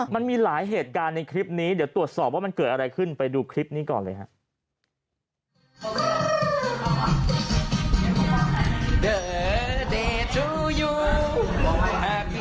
มันมีหลายเหตุการณ์ในคลิปนี้เดี๋ยวตรวจสอบว่ามันเกิดอะไรขึ้นไปดูคลิปนี้ก่อนเลยครับ